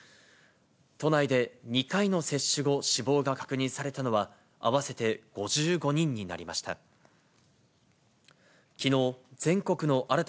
都内で２回の接種後、死亡が確認されたのは、合わせて５５人になりました。